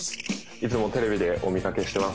いつもテレビでお見かけしてます。